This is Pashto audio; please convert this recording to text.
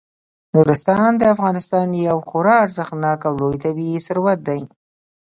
نورستان د افغانستان یو خورا ارزښتناک او لوی طبعي ثروت دی.